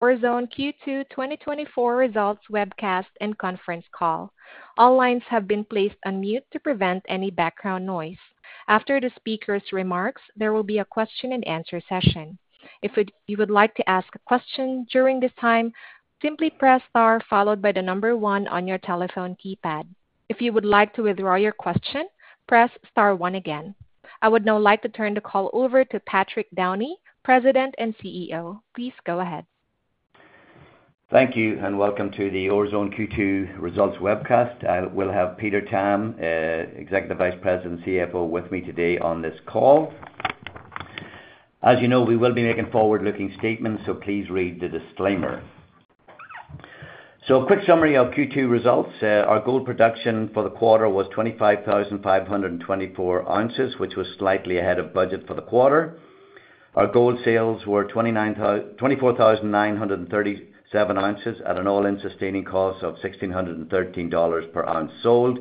Orezone Q2 2024 Results Webcast and Conference Call. All lines have been placed on mute to prevent any background noise. After the speaker's remarks, there will be a question and answer session. If you would like to ask a question during this time, simply press star, followed by the number 1 on your telephone keypad. If you would like to withdraw your question, press star 1 again. I would now like to turn the call over to Patrick Downey, President and CEO. Please go ahead. Thank you, and welcome to the Orezone Q2 results webcast. I will have Peter Tam, Executive Vice President and CFO, with me today on this call. As you know, we will be making forward-looking statements, so please read the disclaimer. A quick summary of Q2 results. Our gold production for the quarter was 25,524 ounces, which was slightly ahead of budget for the quarter. Our gold sales were twenty-four thousand nine hundred and thirty-seven ounces at an all-in sustaining cost of $1,613 per ounce sold,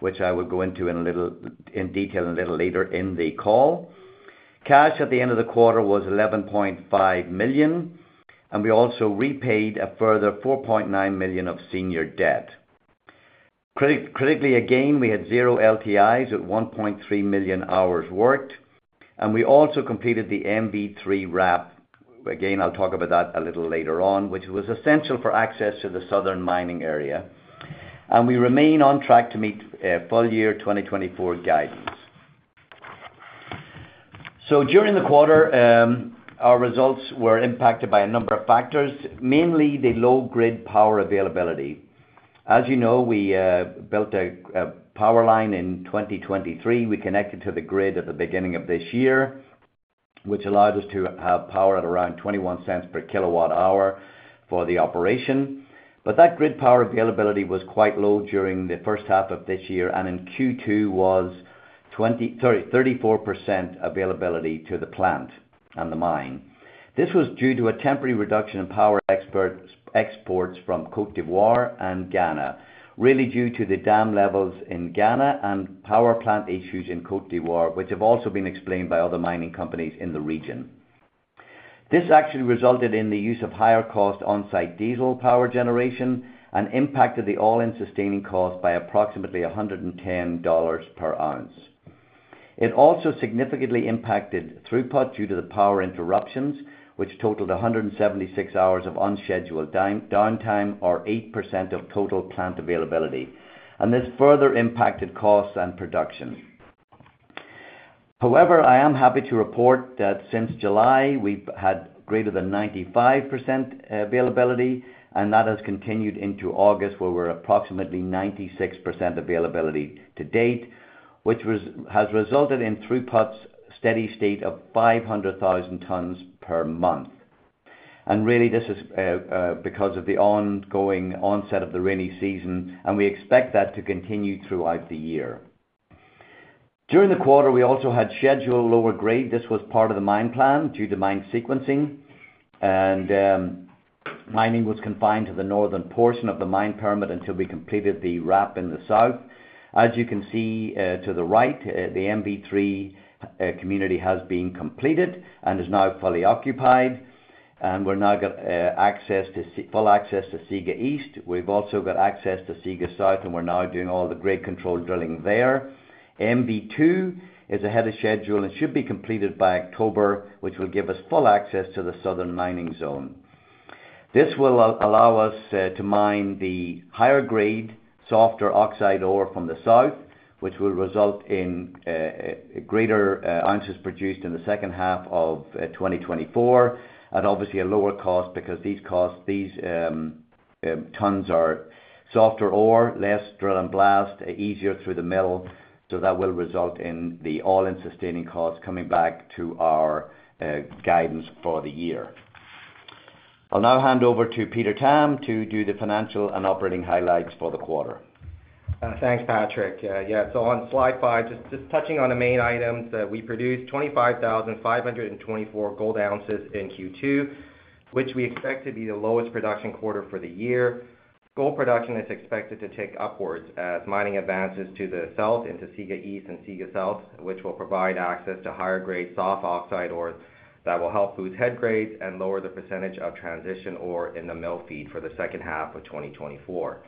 which I will go into in a little, in detail a little later in the call. Cash at the end of the quarter was $11.5 million, and we also repaid a further $4.9 million of senior debt. Critically, again, we had zero LTIs at 1.3 million hours worked, and we also completed the MV3 RAP. Again, I'll talk about that a little later on, which was essential for access to the southern mining area. And we remain on track to meet full year 2024 guidance. So during the quarter, our results were impacted by a number of factors, mainly the low grid power availability. As you know, we built a power line in 2023. We connected to the grid at the beginning of this year, which allowed us to have power at around $0.21 per kWh for the operation. But that grid power availability was quite low during the first half of this year, and in Q2 was 34% availability to the plant and the mine. This was due to a temporary reduction in power exports from Côte d'Ivoire and Ghana, really due to the dam levels in Ghana and power plant issues in Côte d'Ivoire, which have also been explained by other mining companies in the region. This actually resulted in the use of higher cost on-site diesel power generation and impacted the all-in sustaining cost by approximately $110 per ounce. It also significantly impacted throughput due to the power interruptions, which totaled 176 hours of unscheduled downtime, or 8% of total plant availability, and this further impacted costs and production. However, I am happy to report that since July, we've had greater than 95% availability, and that has continued into August, where we're approximately 96% availability to date, which has resulted in throughputs steady state of 500,000 tons per month. Really, this is because of the ongoing onset of the rainy season, and we expect that to continue throughout the year. During the quarter, we also had scheduled lower grade. This was part of the mine plan due to mine sequencing, and mining was confined to the northern portion of the mine permit until we completed the RAP in the south. As you can see to the right, the MV3 community has been completed and is now fully occupied, and we've now got full access to Siga East. We've also got access to Siga South, and we're now doing all the grade control drilling there. MV2 is ahead of schedule, and it should be completed by October, which will give us full access to the southern mining zone. This will allow us to mine the higher grade, softer oxide ore from the south, which will result in greater ounces produced in the second half of 2024, at obviously a lower cost, because these tons are softer ore, less drill and blast, easier through the mill, so that will result in the all-in sustaining costs coming back to our guidance for the year. I'll now hand over to Peter Tam to do the financial and operating highlights for the quarter. Thanks, Patrick. Yeah, so on slide five, just touching on the main items. We produced 25,524 gold ounces in Q2, which we expect to be the lowest production quarter for the year. Gold production is expected to tick upwards as mining advances to the south, into Siga East and Siga South, which will provide access to higher-grade, soft oxide ores that will help boost head grades and lower the percentage of transition ore in the mill feed for the second half of 2024.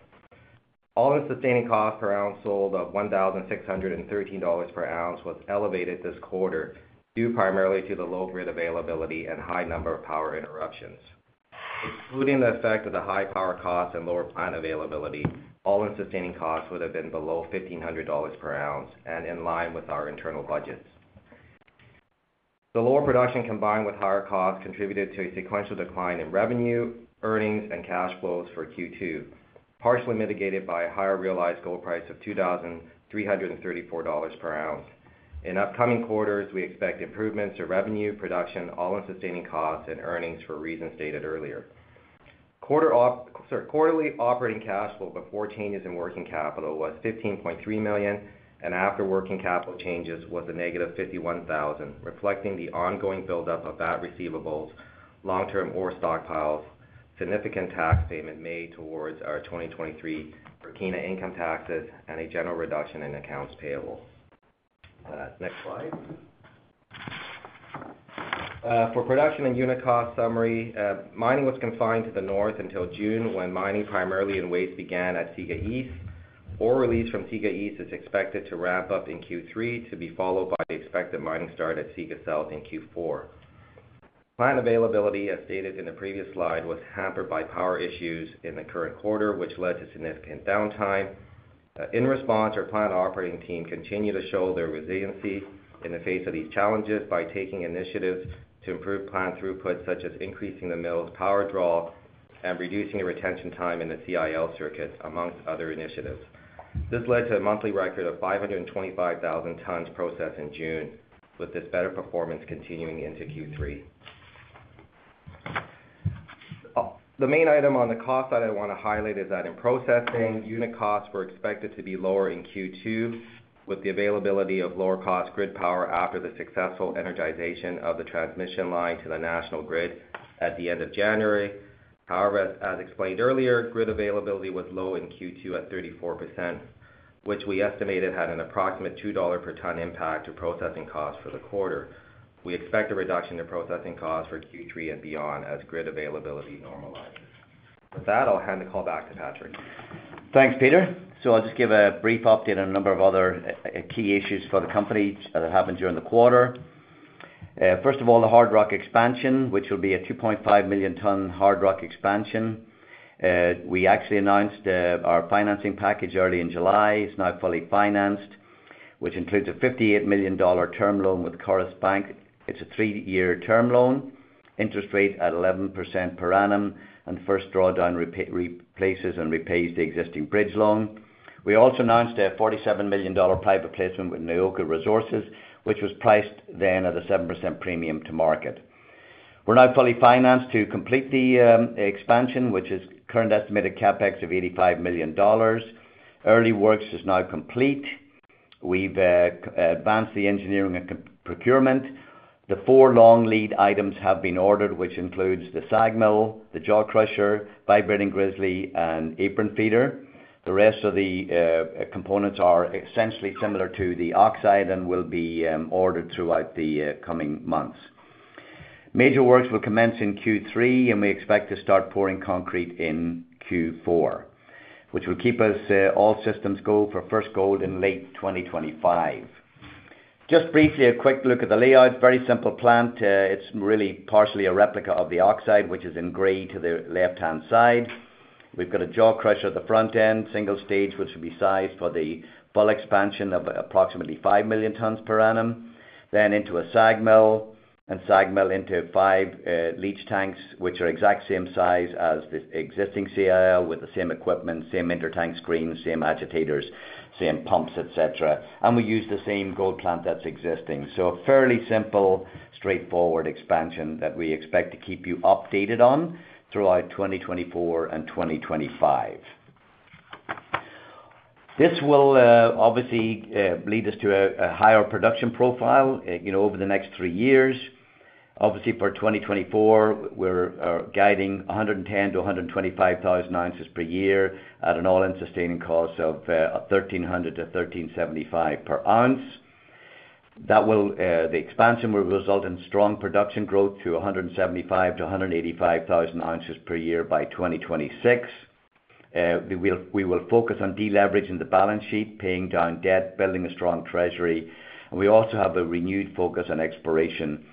All-in sustaining cost per ounce sold of $1,613 per ounce was elevated this quarter, due primarily to the low grid availability and high number of power interruptions. Including the effect of the high power costs and lower plant availability, All-In Sustaining Costs would have been below $1,500 per ounce and in line with our internal budgets. The lower production, combined with higher costs, contributed to a sequential decline in revenue, earnings, and cash flows for Q2, partially mitigated by a higher realized gold price of $2,334 per ounce. In upcoming quarters, we expect improvements to revenue, production, All-In Sustaining Costs and earnings for reasons stated earlier. Sorry, quarterly operating cash flow before changes in working capital was $15.3 million, and after working capital changes was -$51,000, reflecting the ongoing buildup of bad receivables, long-term ore stockpiles, significant tax payment made towards our 2023 Burkina Faso income taxes, and a general reduction in accounts payable. Next slide. For production and unit cost summary, mining was confined to the north until June, when mining, primarily in waste, began at Siga East. Ore released from Siga East is expected to RAP up in Q3, to be followed by the expected mining start at Siga South in Q4. Plant availability, as stated in the previous slide, was hampered by power issues in the current quarter, which led to significant downtime. In response, our plant operating team continued to show their resiliency in the face of these challenges by taking initiatives to improve plant throughput, such as increasing the mill's power draw and reducing the retention time in the CIL circuit, among other initiatives. This led to a monthly record of 525,000 tons processed in June, with this better performance continuing into Q3. The main item on the cost that I want to highlight is that in processing, unit costs were expected to be lower in Q2, with the availability of lower cost grid power after the successful energization of the transmission line to the national grid at the end of January. However, as explained earlier, grid availability was low in Q2 at 34%, which we estimated had an approximate $2 per ton impact to processing costs for the quarter. We expect a reduction in processing costs for Q3 and beyond as grid availability normalizes. With that, I'll hand the call back to Patrick. Thanks, Peter. I'll just give a brief update on a number of other key issues for the company that happened during the quarter. First of all, the hard rock expansion, which will be a 2.5 million ton hard rock expansion. We actually announced our financing package early in July. It's now fully financed, which includes a $58 million term loan with Coris Bank. It's a three-year term loan, interest rate at 11% per annum, and first draw down replaces and repays the existing bridge loan. We also announced a $47 million private placement with Nioko Resources, which was priced then at a 7% premium to market. We're now fully financed to complete the expansion, which is current estimated CapEx of $85 million. Early works is now complete. We've advanced the engineering and procurement. The four long lead items have been ordered, which includes the SAG mill, the Jaw Crusher, Vibrating Grizzly, and Apron Feeder. The rest of the components are essentially similar to the oxide and will be ordered throughout the coming months. Major works will commence in Q3, and we expect to start pouring concrete in Q4, which will keep us all systems go for first gold in late 2025. Just briefly, a quick look at the layout. Very simple plant. It's really partially a replica of the oxide, which is in gray to the left-hand side. We've got a Jaw Crusher at the front end, single stage, which will be sized for the full expansion of approximately 5 million tons per annum. Then into a SAG mill, and SAG mill into 5 leach tanks, which are exact same size as the existing CIL, with the same equipment, same intertank screens, same agitators, same pumps, etc. And we use the same gold plant that's existing. So a fairly simple, straightforward expansion that we expect to keep you updated on throughout 2024 and 2025. This will obviously lead us to a higher production profile, you know, over the next three years. Obviously, for 2024, we're guiding 110,000-125,000 ounces per year at an All-In Sustaining Cost of $1,300-$1,375 per ounce. That will... The expansion will result in strong production growth to 175,000-185,000 ounces per year by 2026. We will focus on deleveraging the balance sheet, paying down debt, building a strong treasury, and we also have a renewed focus on exploration.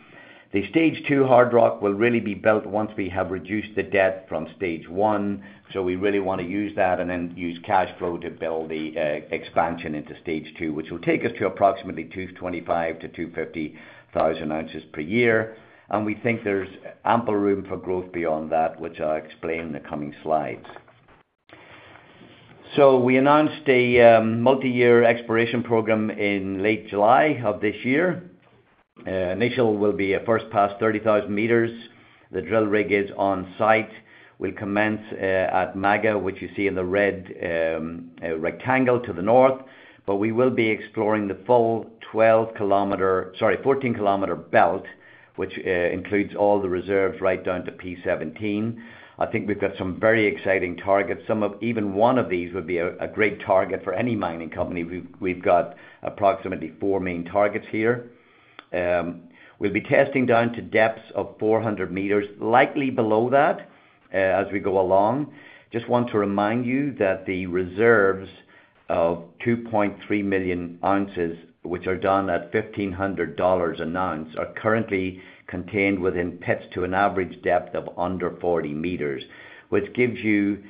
The stage two hard rock will really be built once we have reduced the debt from stage one, so we really want to use that and then use cash flow to build the expansion into stage two, which will take us to approximately 225,000-250,000 ounces per year. We think there's ample room for growth beyond that, which I'll explain in the coming slides. We announced a multi-year exploration program in late July of this year. Initial will be a first pass, 30,000 meters. The drill rig is on site, will commence at Maga, which you see in the red rectangle to the north. But we will be exploring the full 12-kilometer, sorry, 14-kilometer belt, which includes all the reserves right down to P17. I think we've got some very exciting targets. Even one of these would be a great target for any mining company. We've got approximately four main targets here. We'll be testing down to depths of 400 meters, likely below that, as we go along. Just want to remind you that the reserves of 2.3 million ounces, which are down at $1,500 an ounce, are currently contained within pits to an average depth of under 40 meters, which gives you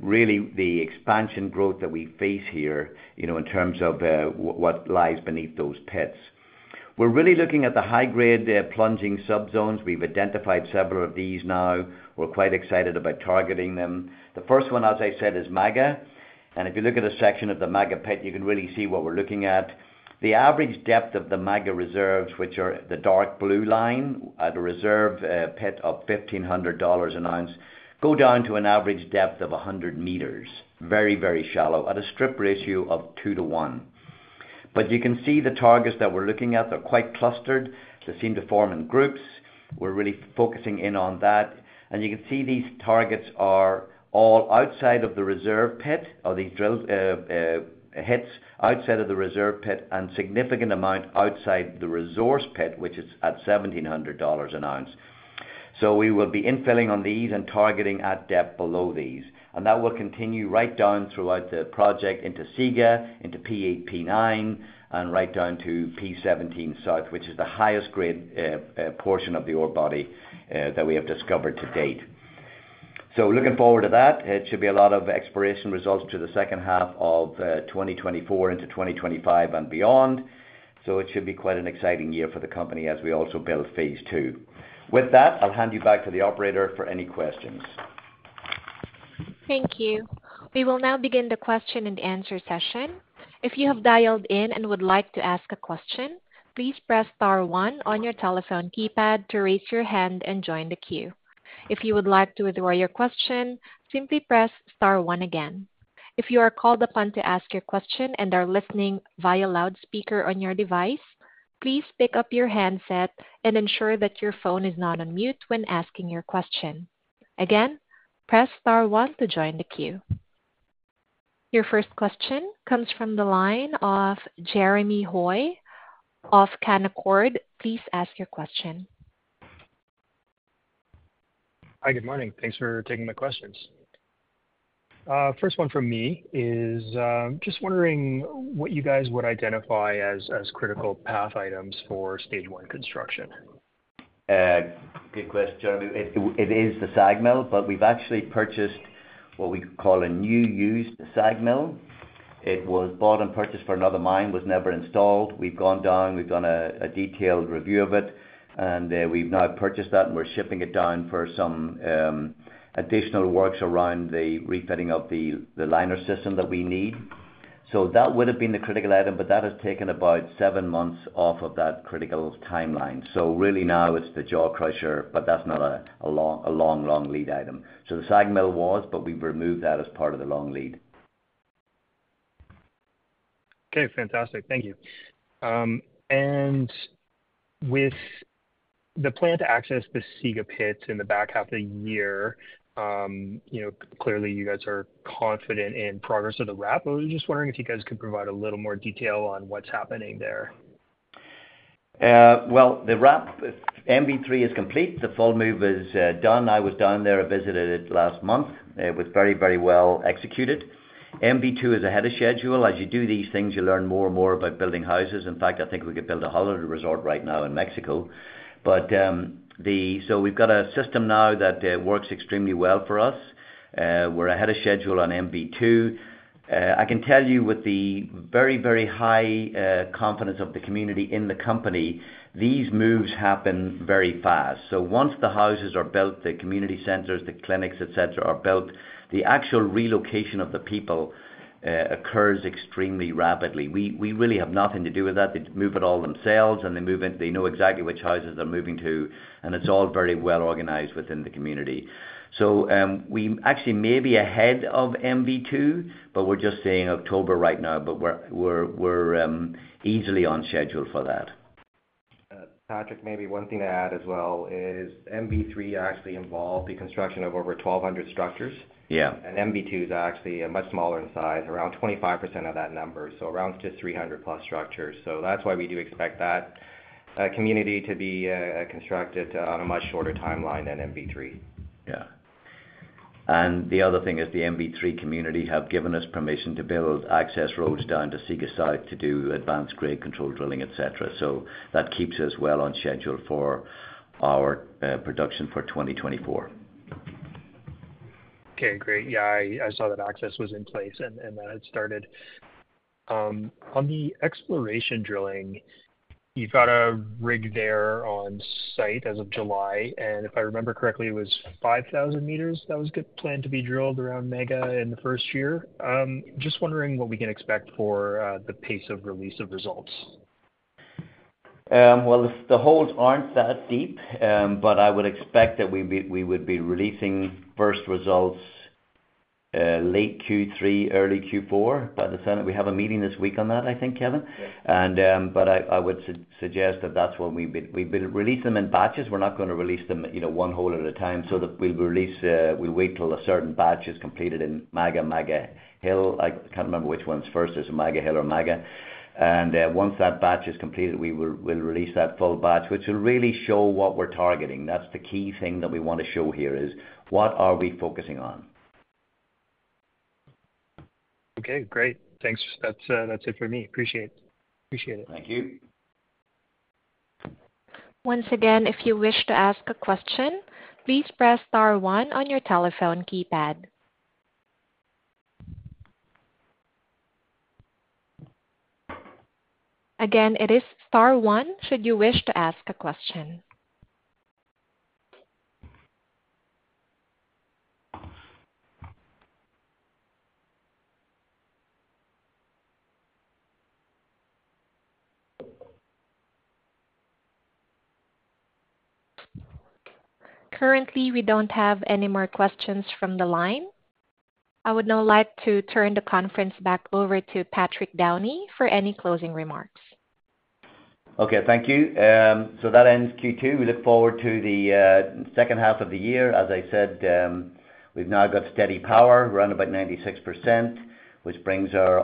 really the expansion growth that we face here, you know, in terms of what lies beneath those pits. We're really looking at the high-grade plunging subzones. We've identified several of these now. We're quite excited about targeting them. The first one, as I said, is Maga, and if you look at a section of the Maga pit, you can really see what we're looking at. The average depth of the Maga reserves, which are the dark blue line at a reserve pit of $1,500 an ounce, go down to an average depth of 100 meters. Very, very shallow, at a strip ratio of 2 to 1. But you can see the targets that we're looking at, they're quite clustered. They seem to form in groups. We're really focusing in on that. And you can see these targets are all outside of the reserve pit, or these drill hits outside of the reserve pit and significant amount outside the resource pit, which is at $1,700 an ounce. So we will be infilling on these and targeting at depth below these, and that will continue right down throughout the project into Siga, into P8, P9, and right down to P17 South, which is the highest grade portion of the ore body that we have discovered to date. So looking forward to that. It should be a lot of exploration results through the second half of 2024 into 2025 and beyond. So it should be quite an exciting year for the company as we also build phase two. With that, I'll hand you back to the operator for any questions. Thank you. We will now begin the question and answer session. If you have dialed in and would like to ask a question, please press star one on your telephone keypad to raise your hand and join the queue. If you would like to withdraw your question, simply press star one again. If you are called upon to ask your question and are listening via loudspeaker on your device, please pick up your handset and ensure that your phone is not on mute when asking your question. Again, press star one to join the queue. Your first question comes from the line of Jeremy Hoy of Canaccord. Please ask your question. Hi, good morning. Thanks for taking my questions. First one from me is, just wondering what you guys would identify as, as critical path items for stage one construction? Good question, Jeremy. It is the SAG mill, but we've actually purchased what we call a new used SAG mill. It was bought and purchased for another mine, was never installed. We've gone down, we've done a detailed review of it, and we've now purchased that, and we're shipping it down for some additional works around the refitting of the liner system that we need. So that would have been the critical item, but that has taken about seven months off of that critical timeline. So really now it's the jaw crusher, but that's not a long, long lead item. So the SAG mill was, but we've removed that as part of the long lead. Okay, fantastic. Thank you. And with the plan to access the Siga pit in the back half of the year, you know, clearly you guys are confident in progress of the RAP. I was just wondering if you guys could provide a little more detail on what's happening there? Well, the RAP, MV3 is complete. The full move is done. I was down there, I visited it last month. It was very, very well executed. MV2 is ahead of schedule. As you do these things, you learn more and more about building houses. In fact, I think we could build a holiday resort right now in Mexico. But, so we've got a system now that works extremely well for us. We're ahead of schedule on MV2. I can tell you with the very, very high confidence of the community in the company, these moves happen very fast. So once the houses are built, the community centers, the clinics, et cetera, are built, the actual relocation of the people occurs extremely rapidly. We, we really have nothing to do with that. They move it all themselves, and they move in. They know exactly which houses they're moving to, and it's all very well organized within the community. So, we actually may be ahead of MV2, but we're just saying October right now, but we're easily on schedule for that. Patrick, maybe one thing to add as well is MV3 actually involved the construction of over 1,200 structures. Yeah. MV2 is actually much smaller in size, around 25% of that number, so around just 300+ structures. So that's why we do expect that community to be constructed on a much shorter timeline than MV3. Yeah. And the other thing is the MV3 community have given us permission to build access roads down to Siga site to do advanced grade control drilling, et cetera. So that keeps us well on schedule for our production for 2024. Okay, great. Yeah, I saw that access was in place and that it started. On the exploration drilling, you've got a rig there on site as of July, and if I remember correctly, it was 5,000 meters that was planned to be drilled around Maga in the first year? Just wondering what we can expect for the pace of release of results. Well, the holes aren't that deep, but I would expect that we would be releasing first results, late Q3, early Q4. By the time... We have a meeting this week on that, I think, Kevin? Yes. I would suggest that that's when we've been releasing them in batches. We're not gonna release them, you know, one hole at a time, so that we'll release, we wait till a certain batch is completed in Maga, Maga Hill. I can't remember which one's first. It's Maga Hill or Maga. Once that batch is completed, we'll release that full batch, which will really show what we're targeting. That's the key thing that we want to show here, is what are we focusing on? Okay, great. Thanks. That's, that's it for me. Appreciate, appreciate it. Thank you. Once again, if you wish to ask a question, please press star one on your telephone keypad. Again, it is star one, should you wish to ask a question. Currently, we don't have any more questions from the line. I would now like to turn the conference back over to Patrick Downey for any closing remarks. Okay, thank you. So that ends Q2. We look forward to the second half of the year. As I said, we've now got steady power, around about 96%, which brings our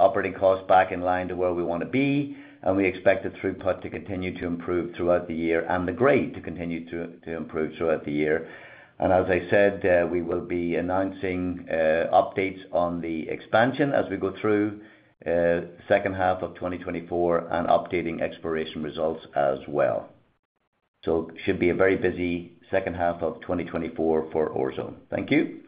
operating costs back in line to where we want to be, and we expect the throughput to continue to improve throughout the year and the grade to continue to improve throughout the year. And as I said, we will be announcing updates on the expansion as we go through second half of 2024 and updating exploration results as well. So should be a very busy second half of 2024 for Orezone. Thank you.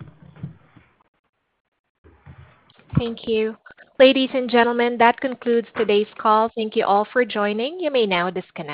Thank you. Ladies and gentlemen, that concludes today's call. Thank you all for joining. You may now disconnect.